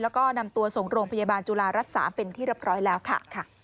แล้วก็นำตัวส่งโรงพยาบาลจุฬารักษาเป็นที่เรียบร้อยแล้วค่ะ